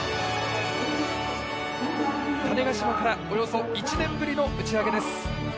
種子島からおよそ１年ぶりの打ち上げです。